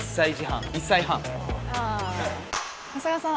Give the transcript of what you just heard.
長谷川さん